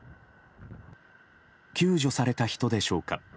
救助された人でしょうか。